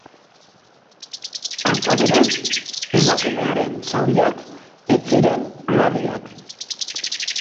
Antza denez, emakumearen zauriak ez ziren larriak.